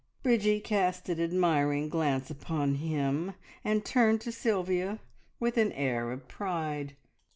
Bridgie cast an admiring glance upon him, and turned to Sylvia with an air of pride.